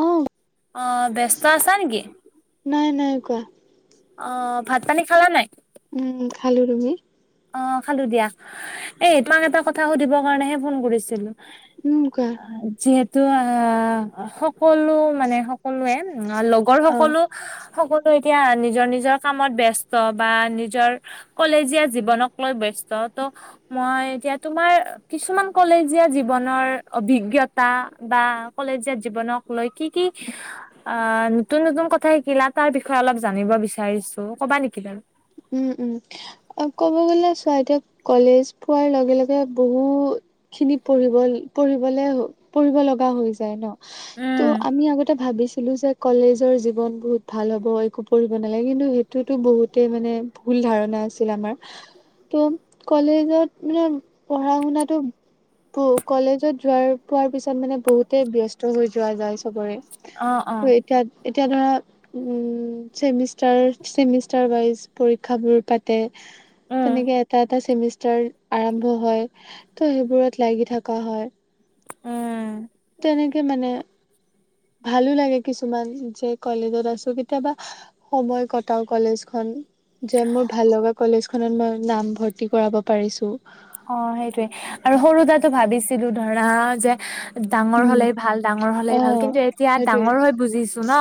অ অ'! ব্যস্ত আছা নেকি? নাই নাই, কোৱা? অ'! ভাত-পানী খালা নাই? উম, খালো মি অ, খালো দিয়া এই তোমাক এটা কথা সুধিবৰ কাৰণেহে ফোন কৰিছিলো। নকা ত অ, সকলো মানে সকলোৱে লগৰ অ সকলো - সকলোৱে এতিয়া নিজৰ নিজৰ কামত ব্যস্ত বা নিজৰ কলেজীয়া জীৱনক লৈ বস্ত ত মই এতিয়া তোমাৰ কিছুমান কলেজীয়া জীৱনৰ অভিজ্ঞতা বা কলেজীয়া জীৱনক লৈ কি-কি অ, নতুন-নতুন কথা শিকিলা তাৰ বিষয়ে অলপ জানিব বিচাৰিছো ক'বা নেকি কিবা? উম-উম অ, ক'ব গ'লে চোৱা এতিয়া কলেজ পোৱাৰ লগে-লগে বহু খিনি পঢ়িব পঢ়িবলে-পঢ় হৈ যাই ন উম আমি আগতে ভাবিছ ছিলো যে কলেজৰ জীৱন বহুত ভাল হ'ব একো পঢ়িব নালাগে কিন্তু সেইটোতো বহুতেই মানে ভুল ধাৰণা আছিল আমাৰ। ত' কলেজত মানে পঢ়া শুনাটো কলেজত যোৱাৰ পোৱাৰ পিছত ত, মানে বহুতে ব্যস্ত হৈ যোৱা যায় চবৰে অ অ ত' এতিয়া এতিয়া ধৰা উম, চেমিষ্টাৰ-চেমিষ্টাৰ ৱাইজ পৰীক্ষাবোৰ পাতে। উম তেনেকে এটা-এটা চেমিছ আৰম্ভ হয়, ত' সেইবোৰত লাগি থকা হয়। উম তেনেকে মানে [inaudible] ভালো লাগে কিছুমান, যে কলেজত আছো কেতিয়াবা, সময় কটাও কলেজখন। যে, মোৰ ভাল লগা কলেজখনত মই, নাম ভৰ্তি কৰাব' পাৰিছো। সেইটোৱে, আৰু হ এ ভাবিছিলো ধৰা, যে ডাঙৰ উম হলেই ভাল, ডাঙৰ হলেই অ ভাল, কিন্তু এতিয়া সেইটোৱে ডাঙৰ হৈ বুজিছো ন'।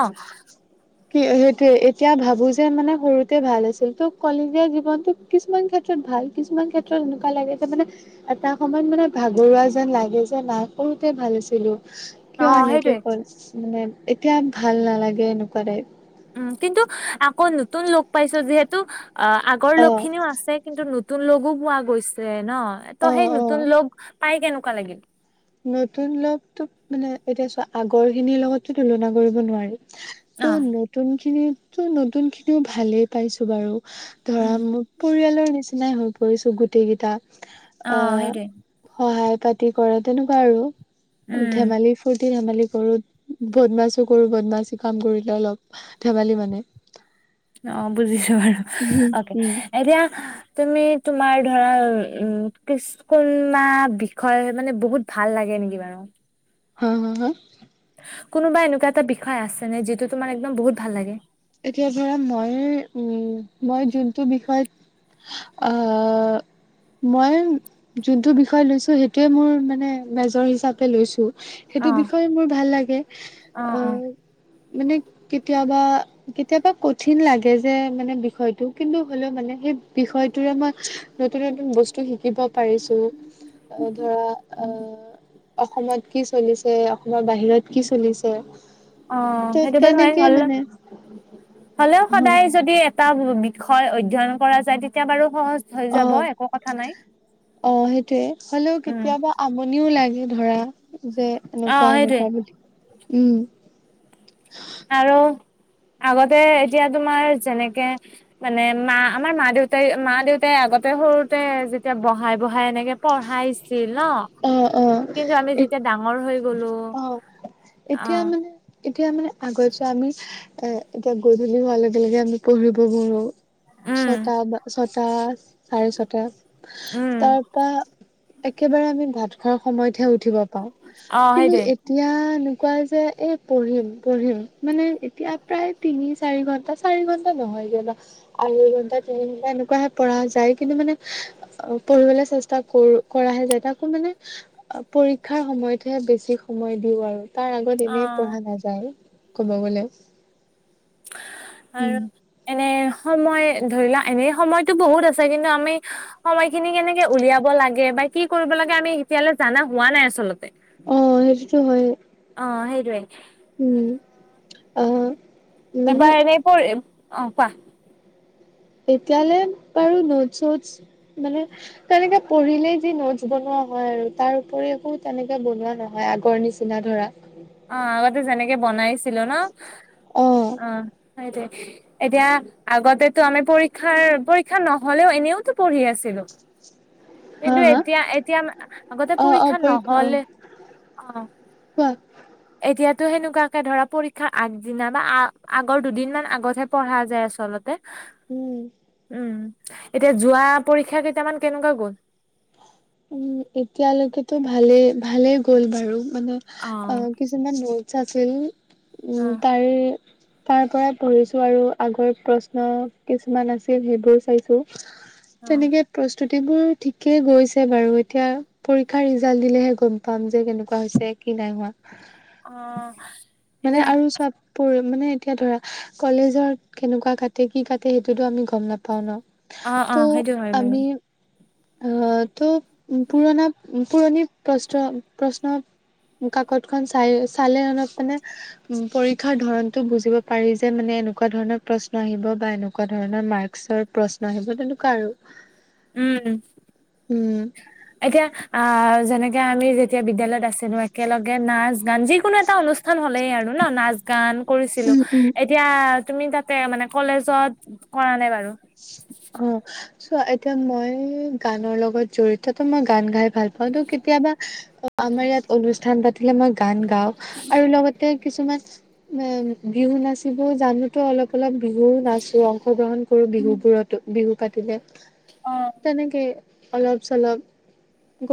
কি সেইটোৱে, এতিয়া ভাবো যে, মানে সৰুতে ভাল আছিল, ত' কলেজীয়া জীৱনতটো কিছুমান ক্ষেত্ৰত ভাল, কিছুমান ক্ষেত্ৰত এনেকুৱা লাগে যে, মানে এটা সময়ত মানে, ভাগৰুৱা যেন লাগে যে, না' সৰুতে ভাল আছি কৈছিলো, অ কিয় সেইটোৱে এনেকে কয়, মানে, এতিয়া ভাল নালাগে এনেকুৱা টাইপ। উম, কিন্তু আকৌ নতুন লগ পাইছো যিহেতু। আ', আগৰ অ লগ খিনিও আছে। কিন্তু নতুন লগো পোৱা গৈছে। ন', অ ত' সেই অ নতুন লগ, পাই কেনেকুৱা লাগিল? নতুন লগতো, মানে এতিয়া চোৱা, আগৰ খিনিৰ লগতো তুলনা কৰিব নোৱাৰি। অ ত' নতুন খিনিত টো, নতুন খিনিও ভালেই পাইছো বাৰু। ধৰা উম মোক পৰিয়ালৰ নিচিনাই হৈ পৰিছো, গোটেই কেইটা। অ', আহ সেইটোৱেই। সহায় পাতি কৰা, তেনেকুৱা আৰু। উম ধেমালি ফূুৰ্তি ধেমালি কৰো, বদমাছো কৰো, বদমাছি কাম কৰিলে অলপ ধেমালি মানে। অ বুজিছো বাৰু উম অকে' উম এতিয়া তুমি, তোমাৰ ধৰা, উম, কিচ কুল না বিষয়ে মানে বহুত ভাল লাগে থাকে নিকি বাৰু হা-হা-হা কোনোবা এনেকুৱা এটা বিষয় আছে নে, যিটো তোমাৰ, একদম বহুত ভাল লাগে। এতিয়া ধৰা মই, উম, মই যোনটো বিষয়ত অ। মই, যোনটো বিষয় লৈছো, সেইটোৱে মোৰ মানে, মেজৰ হিচাপে লৈছো। অ সেইটো বিষয়ে মোৰ ভাল লাগে। অ অ অহ, মানে কেতিয়াবা। কেতিয়াবা কঠিন লাগে যে, মানে বিষয়টো কিন্তু হ'লেও, মানে সেই বিষয়টোৰে মই নতুন-নতুন, বস্তু শিকিব পাৰিছো। ধৰা আহ অসমত কি চলিছে, অসমৰ বাহিৰত কি চলিছে। অ', ত সেইটো বাৰু হয়। তেনেকে হ'ল ন। মানে হ'লেও অ সদায় যদি, এটা বিষয় অধ্যয়ন কৰা যায় তেতিয়া বাৰু সহজ। হৈ যাব অ', একো কথা নাই অ', সেইটোৱে, হ'লেও উম কেতিয়াবা আমনিও লাগে। ধৰা, যে অ সেইটোৱে এনেকুৱা-এনেকুৱা বুলি উম। আৰু। আগতে, এতিয়া তোমাৰ যেনেকে মানে মা, আমাৰ মা দেউতাই, মা দেউতাই আগত। আগতে, সৰুতে যেতিয়া বহাই-বহাই, এনেকে পঢ়াই চি [unintelligible] ন', অ কিন্তু আমি অ যেতিয়া ডাঙৰ হৈ গলো। অ', অ এতিয়া মানে। এতিয়া মানে আগত যে, আমি এ-এতিয়া গধূলি হোৱাৰ লগে লগে আমি পঢ়িব বঢ়ো। উম ছটা বা ছটা, চাৰে ছটা উম তাৰপা। একেবাৰে আমি ভাত খোৱাৰ সময়তহে উঠিব পাওঁ। অ কিন্তু সেইটোৱে এতিয়া কোৱা যে, এ পঢ়িম-পঢ়িম, মানে এতিয়া প্ৰায় তিনি চাৰি ঘন্টা, চাৰি ঘন্টা নহয়। আঢ়ৈ ঘণ্টা, তিনি ঘন্টা এনেকুৱাহে পঢ়া যায়, কিন্তু মানে, পঢ়িবলৈ চেষ্টা কৰো কৰাহে যায় তাকো মানে পৰীক্ষাৰ সময়তহে বেছি সময় দিওঁ আৰু। তাৰ আগত অ এনেই পঢ়া নাযায় ক'ব গলে। উম, আৰু এনে সময় ধৰি লোৱা এনে সময়তো বহুত আছে কিন্তু আমি সময়খিনি কেনেকে উলিয়াব লাগে বা কি কৰিব লাগে আমি এতিয়ালে জানা হোৱা নাই আচলতে। অ সেইটোতো হয়ে। অ সেইটোৱেই। উম আহ। মানে এবাৰ এনেই বোৰ অহ কোৱা। এতিয়ালে বাৰু নোট চোটচ মানে তেনেকে পঢ়িলে যি নোটছ বনোৱা। হয় আৰু তাৰ উপৰি একো তেনেকে বনোৱা নহয় আগৰ নিচিনা ধৰা। ছিলো ন অ', অহ। সেইটোৱে এতিয়া আগততো আমি পৰীক্ষাৰ পৰীক্ষা নহলেও এনেওতো পঢ়ি আছিলো। হা কিন্তু হা এতিয়া, এতিয়া আগতে অ', অ', পৰীক্ষা নহ'লে অ', অ'। কোৱা। এতিয়াতো সেনেকুৱাকে ধৰা পৰীক্ষাৰ আগদিনা বা আ, আগৰ দুদিন মান আগতহে পঢ়া যায় আচলতে। উম। উম, এতিয়া, যোৱা পৰীক্ষা কেইটামান কেনেকুৱা গ'ল? উম এতিয়ালৈকেটো ভালেই, ভালে গ'ল বাৰু। মানে অ', কিছুমান নোটচ আছিল উম, অ', তাৰে তাৰ পৰাই পঢ়িছো আৰু, আগৰ প্ৰশ্ন কিছুমান আছিল, সেইবোৰ চাইছোঁ। অ', তেনেকে প্ৰস্তুতিবোৰ ঠিকে গৈছে। [unintelligible] বাৰু এতিয়া পৰীক্ষাৰ ৰিজাল্ট দিলেহে গম পাম যে কেনেকুৱা হৈছে কি নাই হোৱা। অ' মানে এতিয়া আৰু চাত পৰি মানে এতিয়া ধৰা কলেজত কেনেকুৱা কাটে কি কাটে সেইটোতো আমি গম নাপাও ন। অ অ সেইটো হয় বাৰু। অহ ত পুৰণা পুৰণি প্ৰশ্ন প্ৰশ্ন। কাকত খন চাই চালে অলপ মানে উম পৰীক্ষাৰ ধৰনতটো বুজিব পাৰি যে মানে। এনেকুৱা ধৰণৰ প্ৰশ্ন আহিব, বা এনেকুৱা ধৰণৰ মাৰ্কচৰ প্ৰশ্ন আহিব, তেনেকুৱা আৰু। উম, উম এতিয়া আহ, যেনেকে আমি যেতিয়া বিদ্য়ালয়ত আছিলো, একেলগে নাচ, গান যিকোনো এটা অনুষ্ঠান হ'লেই আৰু ন', নাচ গান। কৰিছিলো, উম উম এতিয়া তুমি তাতে মানে কলেজত কৰা নাই বাৰু। অ', চোৱা এতিয়া মই গানৰ লগত জড়িত মই গান গাই ভাল প হয়তো কেতিয়াবা, আমাৰ ইয়াত অনুষ্ঠান পাতিলে মই গান গাওঁ, আৰু লগতে কিছুমান উম, বিহু নাচিব জানোতো, অলপ অলপ বিহু নাচো অংশগ্ৰহণ কৰোঁ উম, বিহুত। বিহু পাতিলে, অ তেনেকে অলপ-চলপ।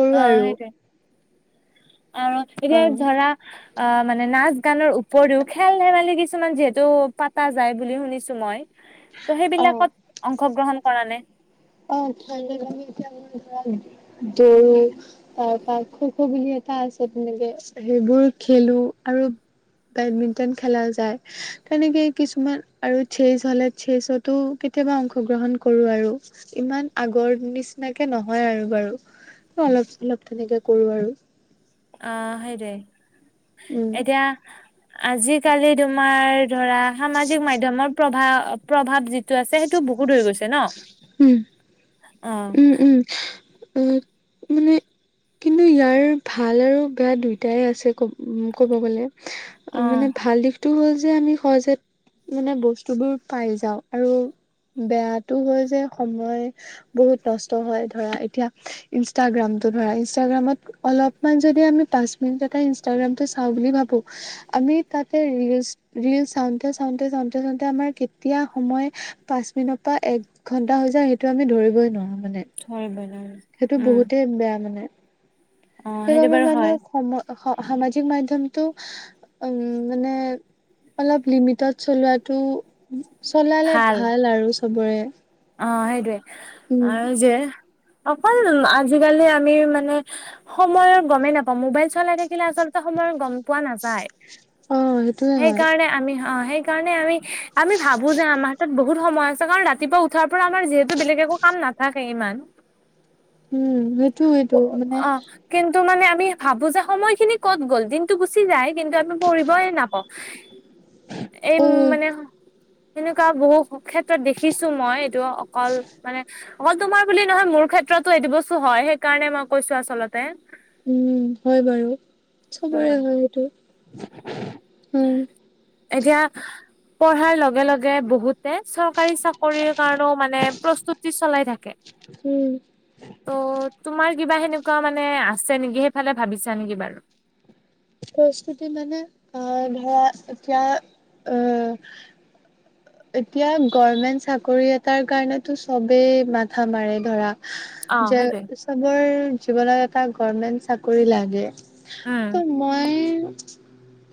কৰো অ আৰু। সেইটোয়ে আৰু এতিয়া অ ধৰা অ', মানে নাচ গানৰ উপৰিও, খেল-ধেমালি কিছুমান যিহেতু পতা যায় বুলি শুনিছোঁ মই। ত' অ সেইবিলাকত অংশগ্ৰহণ কৰা নে? অ', ঠাডা গাম আাৰ দৰু ত পাৰ খ খব আ [unintelligible] এটা আছে, তেনেকে সেইবোৰ খেলো, আৰু বেডমিন্টন খেলা যায়, তেনেকে কিছুমান আৰু চেচ হ'লে চেচতো কেতিয়াবা অংশগ্ৰহণ কৰো আৰু, ইমান আগৰ নিচিনাকে নহয় আৰু বাৰু। অলপ অলপ তেনেকে কৰো আৰু। অ' উম। সেইটোৱেইে এতিয়া আজিকালি তোমাৰ ধৰা সামাজিক মাধ্যমৰ প্ৰভাৱ প্ৰভাৱ যিটো আছে সেইটো বহুত হৈ গৈছে ন? উম, উম, উম। মানে উম কিন্তু ইয়াৰ ভাল আৰু বেয়া দুইটাই আছে ক'ব ক'ব গ'লে। অ মানে ভাল দিশটো হ'ল যে আমি সহজেত মানে বস্তু বোৰ পাই যাওঁ। আৰু বেয়াটো হয় যে সময় বহুত নষ্ট হয়, ধৰা এতিয়া ইনষ্টাগ্ৰামটো ধৰা ইনষ্টাগ্ৰামত অলপমান যদি আমি পা নিটটে ইনষ্টগ্ৰামটো চাওঁ বুলি ভাবো, আমি তাতে ৰিল চাওতে চাওতে চাওঁতে চাওসতে আমাৰ কেতিয়া সময় পাঁচ মিনিটৰ পৰা এক ঘণ্টা হৈ যায় সেইটো আমি ধৰিবই নোৱাৰো। মানে হয় বন সেইটো বহুতেই বেয়া মানে, অ সেইটো সেইবাবে বাৰু মানে হয় সময় সামাজিক মাধ্যমটো উম মানে অলপ লিমিটত চলোৱাটো চলালে ভাল আৰু চবৰে অ সেইটোৱে উম আৰু যে অকল আজিকালি আমি মানে সময় গমেই নাপাওঁ, মোবাইল চলাই থাকিলে আচলতে সময় গম পোৱা নাযায়। অ সেইটোয়ে হয় সেইকাৰণে আমি অ সেই সেই কাৰণে আমি, আমি ভাবো যে আমাৰ হাতাত বহুত সময় আছে। কাৰণ ৰাতিপুৱা উ তাৰ পৰা আমাৰ যিহেতু বেলেগ একো কাম নাথাকে ইমান, উম সেইটো সেইটো মানে অ। কিন্তু মানে আমি ভাবো যে সময়খিনি ক'ত গ'ল, দিনটো গুচি যায় কিন্তু আমি পঢ়িবই নাপাওঁ। এই অ মানে সনেকুৱা বহু ক্ষেত্ৰত দেখিছো মই। টো অকল মানে অকল তোমাৰ বুলি নহয় মোৰ ক্ষেত্ৰতো এইটো বস্তু হয়, সেইকাৰণে মই কৈছো আচলতে উম, হয় বাৰু চবৰে উম হয় সেইটো। উম এতিয়া পঢ়াৰ লগে লগে বহুতে চব চৰকাৰী চাকৰিৰ কাৰণেও মানে প্ৰস্তুতি চলাই থাকে। উম অ' তোমাৰ কিবা সেনেকুৱা মানে আছে নেকি সেইফালে ভাবিছা নেকি বাৰু? প্ৰস্তুতি মানে আহ ধৰা এতিয়া আহ এতিয়া গৰ্মেন্ত চাকৰি এটাৰ কাৰণেতো চবেই মাথা মাৰে ধৰা, অ যে সেইটোৱে চবৰ জীৱনত এটা গভৰ্মেন্ট চাকৰি লাগে। উম ত মই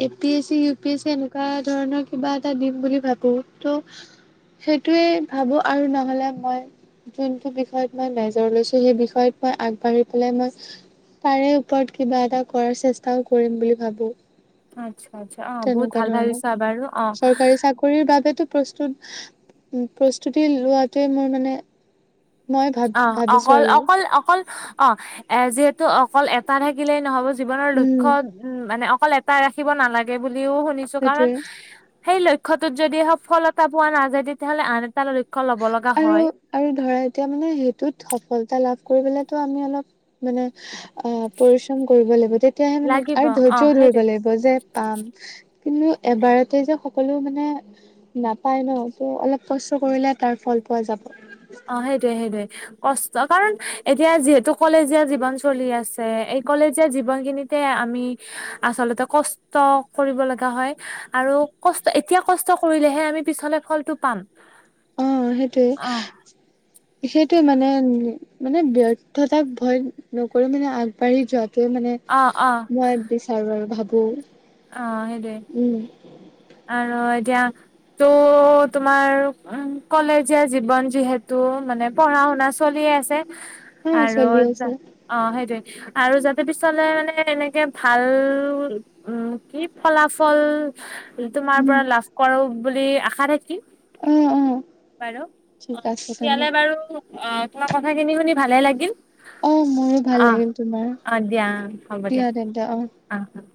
A P S C U P S C এনেকুৱা ধৰণৰ কিবা এটা দিম বুলি ভাবো। ত' সেইটোৱে ভাবো আৰু নহলে মই যোনটো বিষয়ত মই মেজৰ লৈছো সেই বিষয়ত মই আগবাঢ়ি পেলাই মই তাৰে ওপৰত কিবা এটা কৰাৰ চেষ্টাও কৰিম বুলি ভাবো আচ্ছা আচ্ছা অ বহুত তেনেকুৱা ভাল ধৰণৰ। ভাবিছা বাৰু অ চৰকাৰী চাকৰিৰ বাবে প্ৰস্তুত, প্ৰস্তুতি লোৱাটোৱে মোৰ মানে মই ভাব অ ভাবিছো অকল আৰু অকল অকল অ এ যিহেতু অকল এটা থাকিলেই নহব জীৱনৰ উম লক্ষ্য উম মানে অকল এটাই ৰাখিব নালাগে বুলি ও শুনিছো। কাৰণ সেইটোৱে সেই লক্ষ্যটোত যদি সফলতা পোৱা নাযায়, তেতিয়াহ'লে আন এটা লক্ষ্য ল'ব লগা আৰু হয়। আৰু ধৰা এতিয়া মানে সেই তত সফলতা লাভ কৰিবো আমি অলপ মানে অ পৰিশ্ৰম কৰিব লাগিব। তেতিয়াহে মানে লাগিব আৰু অ', ধৈৰ্যও ধৰিব সেইটোৱে লাগিব যে পাম, কিন্তু এবাৰতে যে সকলো মানে নাপায় ন, ত অলপ কষ্ট কৰিলে তাৰ ফল পোৱা যাব। অ', সেইটোৱে সেইটোৱে কষ্ট কাৰণ এতিয়া যিহেতু কলেজীয়া জীৱন চলি আছে। এই কলেজীয়া জীৱন খিনিতে আমি আচলতে কষ্ট কৰিব লগা হয়। আৰু ক এতিয়া কষ্ট কৰি কৰিলে হে আমি পিছলে ফলটো পাম। অ। সেইটোৱে, অ', সেইটোৱে মানে তেৱে মানে অ', অ'। মই বিচাৰো আৰু ভাবো অ সেইটোৱে উম আৰু এতিয়া ত' তোমাৰ উ কলেজীয়া জীৱন যিহেতু মানে পঢ়া শুনা চলিয়ে আছে। অ আৰু চলি জা আছে সেইটোয়ে আৰু যাতে পিছলে মানে এনেকে ভাল উম কি ফলাফল তোমাৰ উম পৰা লাভ কৰো বুলি আশা থাকিল। উম, উম। বাৰু অ তেতিয়লে বাৰু অ তোমাৰ কথাখিনি শুনি ভালে লাগিল। অ মোৰো ভাল লাগিল তোমাৰ অ'অ' দিয়া। হ'ব দিয়া। তেন্তে অ অ'